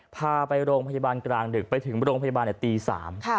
พาไปโรงพยาบาลกลางดึกไปถึงโรงพยาบาลตี๓